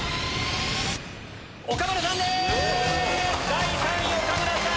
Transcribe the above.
第３位岡村さん